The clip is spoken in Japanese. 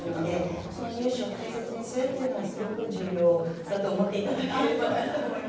その乳歯を大切にするっていうのはすごく重要だと思って頂ければなと思います。